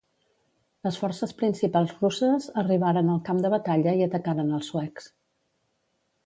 Les forces principals russes arribaren al camp de batalla i atacaren als suecs.